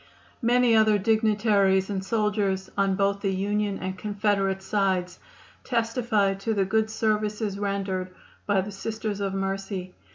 Many other dignitaries and soldiers on both the Union and Confederate sides testified to the good services rendered by the Sisters of Mercy.